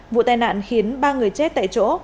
vụ tai nạn khiến ba người chết tại chỗ